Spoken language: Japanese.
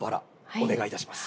お願いいたします。